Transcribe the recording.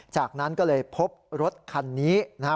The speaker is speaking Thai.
จากนั้นก็เลยพบรถคันนี้นะฮะ